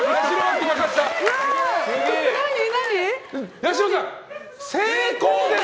八代さん、成功です！